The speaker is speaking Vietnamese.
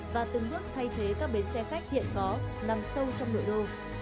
và từng bước thay thế các bến xe khách hiện có nằm sâu trong nội đô